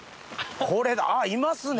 これだあいますね。